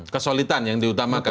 kesulitan yang diutamakan